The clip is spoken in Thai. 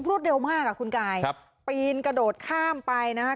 พูดเร็วมากคุณกายปีนกระโดดข้ามไปนะครับ